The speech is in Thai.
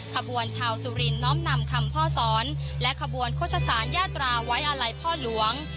ขบวนชาวสุรินน้อมนำคำพ่อสอนและขบวนโฆษศาลยาตราไว้อาลัยพ่อหลวง